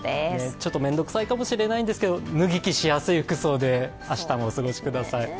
ちょっと面倒くさいかもしれないんですが、脱ぎ着しやすい服装でお過ごしください。